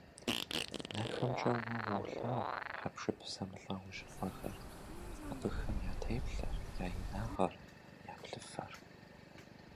НэхэмкӀэ уэ уолъагъу хьэпшып зэмылӀэужьыгъуэхэр, абыхэм я теплъэр, я инагъыр, я плъыфэр.